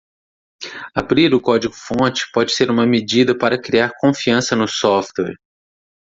Abrir o código-fonte pode ser uma medida para criar confiança no software.